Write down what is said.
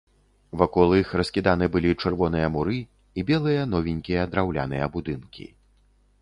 Вакол іх раскіданы былі чырвоныя муры і белыя новенькія драўляныя будынкі.